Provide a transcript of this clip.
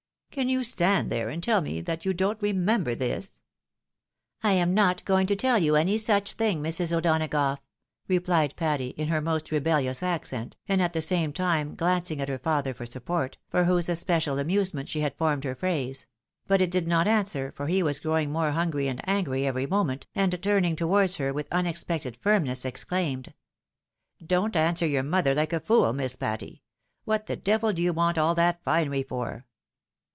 Can you stand there, and tell me that you don't remember this ?"," I am not going to tell you any such thing, Mrs. O'Dona gough," replied Patty, in her most rebellious accent, and at the same time glancing at her father for support, for whose especial amusement, she had formed her phrase ; but it did not answer, for he was growing more hungry and angry every moment, and turning towards her with unexpected firmness, exclaimed, " Don't answer your mother hke a fool. Miss Patty ! What the devil do you want all that finery for